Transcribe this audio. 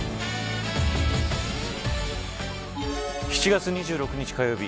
７月２６日、火曜日